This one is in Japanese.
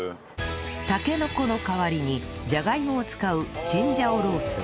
タケノコの代わりにじゃがいもを使うチンジャオロース